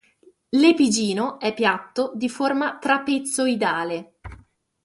L'epigino è piatto, di forma trapezoidale.